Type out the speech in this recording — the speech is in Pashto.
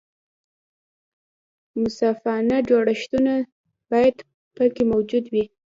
منصفانه جوړښتونه باید پکې موجود وي.